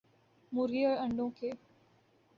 مرغی اور انڈوں ک